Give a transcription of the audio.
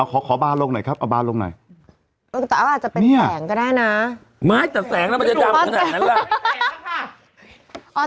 เอาบานลงหน่อยแต่อ้าวอาจจะเป็นแสงก็ได้นะไม่แต่แสงแล้วมันจะดำขนาดนั้นหรือเปล่า